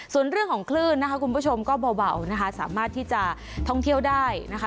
ส่วนเรื่องของคลื่นนะคะคุณผู้ชมก็เบานะคะสามารถที่จะท่องเที่ยวได้นะคะ